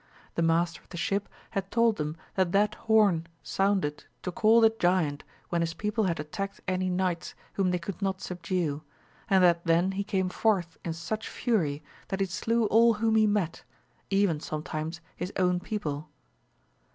The master of the ship had told them that that horn sounded to call the giant when his people had attacked any knights whom they could not subdue, and that then he came forth in such fury that he slew all whom he met, even sometimes his own people.